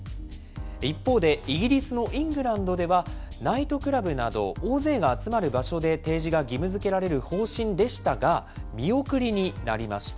一方でイギリスのイングランドでは、ナイトクラブなど大勢が集まる場所で、提示が義務づけられる方針でしたが、見送りになりました。